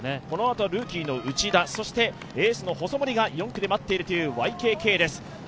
このあとはルーキーの内田、エースの細森が４区で待っているというＹＫＫです。